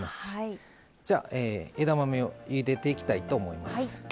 じゃあ枝豆をゆでていきたいと思います。